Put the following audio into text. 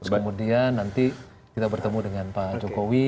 kemudian nanti kita bertemu dengan pak jokowi